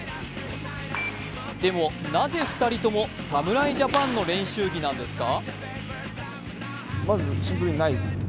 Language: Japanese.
でも、なぜ２人とも侍ジャパンの練習着なんですか？